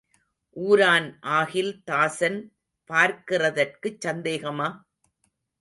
ஊரான் ஆகில் தாசன் பார்க்கிறதற்குச் சந்தேகமா?